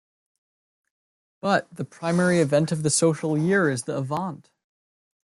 But, the primary event of the social year is the Avante!